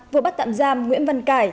vừa bắt tạm giam nguyễn văn cải